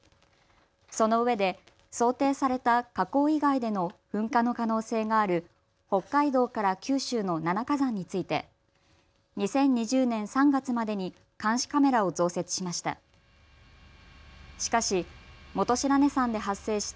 そのうえで想定された火口以外での噴火の可能性がある北海道から九州の７火山について２０２０年３月までに監視カメラを増設しました。